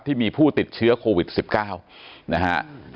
ที่มีผู้ติดเชื้อโควิด๑๙นะฮะ